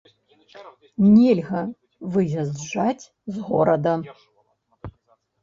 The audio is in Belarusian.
Нельга выязджаць з горада.